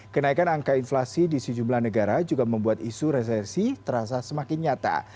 kenaikan angka inflasi di sejumlah negara juga membuat isu resersi terasa semakin nyata